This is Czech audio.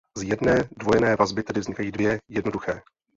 Z jedné dvojné vazby tedy vznikají dvě jednoduché.